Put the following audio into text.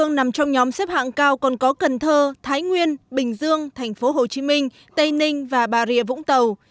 năm xếp hạng cao còn có cần thơ thái nguyên bình dương thành phố hồ chí minh tây ninh và bà rịa vũng tàu